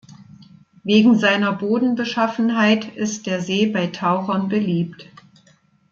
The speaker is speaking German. Wegen seiner Bodenbeschaffenheit ist der See bei Tauchern beliebt.